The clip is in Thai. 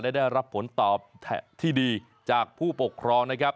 และได้รับผลตอบที่ดีจากผู้ปกครองนะครับ